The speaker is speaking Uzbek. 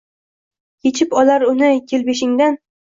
yechib olar uni yelbeshigidan